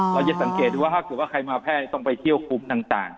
เราจะสังเกตดูว่าถ้าเกิดว่าใครมาแพทย์ต้องไปเที่ยวคุมต่าง